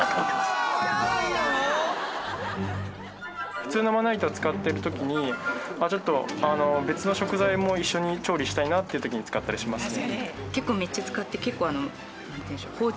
普通のまな板を使ってる時にちょっと別の食材も一緒に調理したいなという時に使ったりしますね。